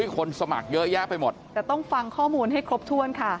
คนสมัครเยอะแยะไปหมดแต่ต้องฟังข้อมูลให้ครบถ้วนค่ะ